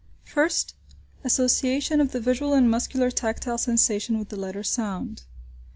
First. Association of the visual and muscular tactile sensation with the letter sound.